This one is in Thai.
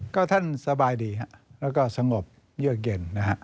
ก็ท่านสบายดีแล้วก็สงบเยือกเย็นนะฮะ